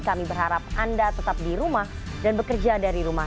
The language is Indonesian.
kami berharap anda tetap di rumah dan bekerja dari rumah